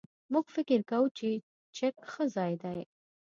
موږ فکر کوو چې چک ښه ځای دی.